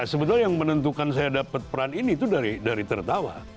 sebetulnya yang menentukan saya dapat peran ini itu dari tertawa